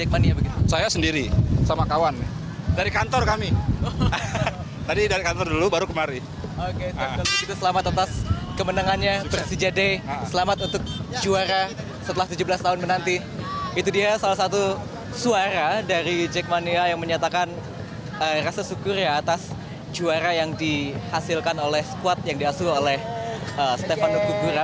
pada hari ini saya akan menunjukkan kepada anda